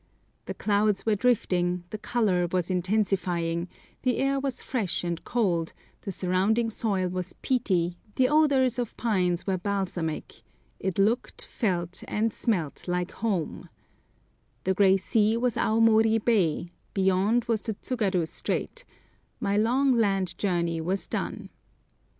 The clouds were drifting, the colour was intensifying, the air was fresh and cold, the surrounding soil was peaty, the odours of pines were balsamic, it looked, felt, and smelt like home; the grey sea was Aomori Bay, beyond was the Tsugaru Strait,—my long land journey was done.